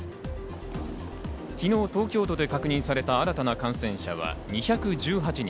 昨日、東京都で確認された新たな感染者は２１８人。